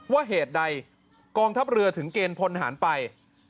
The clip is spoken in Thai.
เหตุใดกองทัพเรือถึงเกณฑ์พลหารไป